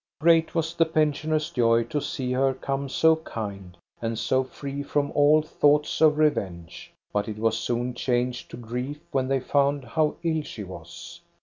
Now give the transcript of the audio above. Great was the pensioners' joy to see her come so kind and so free from all thoughts of revenge ; but it was soon changed to grief when they found how ill she was.